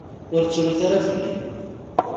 Ur ttrut ara fell-i.